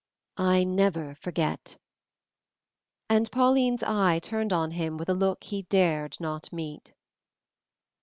"I never forget." And Pauline's eye turned on him with a look he dared not meet.